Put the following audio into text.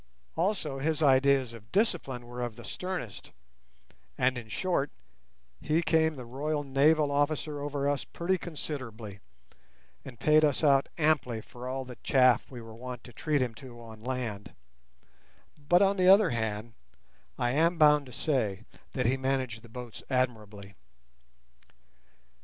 Also his ideas of discipline were of the sternest, and, in short, he came the royal naval officer over us pretty considerably, and paid us out amply for all the chaff we were wont to treat him to on land; but, on the other hand, I am bound to say that he managed the boats admirably.